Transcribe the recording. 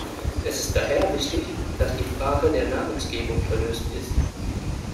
Es ist daher wichtig, dass die Frage der Namensgebung gelöst ist.